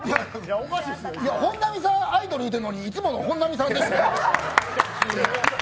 本並さん、アイドル言うてんのにいつもの本並さんでしたよ。